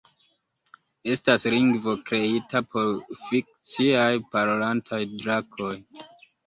Estas lingvo kreita por fikciaj parolantaj drakoj.